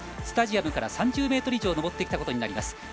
スタジアムから３０ｍ以上上ってきたことになります。